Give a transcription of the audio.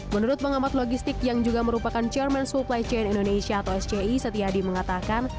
menurut pengamat logistik yang juga merupakan chairman supply chain indonesia atau sci setiadi mengatakan